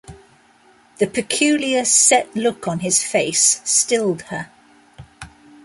The peculiar set look on his face stilled her.